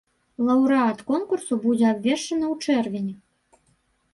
Лаўрэат конкурсу будзе абвешчаны ў чэрвені.